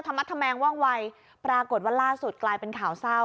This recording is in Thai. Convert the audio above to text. มัดธแมงว่องวัยปรากฏว่าล่าสุดกลายเป็นข่าวเศร้า